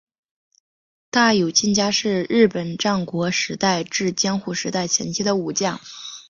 大友亲家是日本战国时代至江户时代前期的武将。